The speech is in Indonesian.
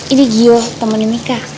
ini gio temennya mika